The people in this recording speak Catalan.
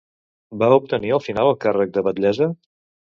Va obtenir al final el càrrec de batllessa?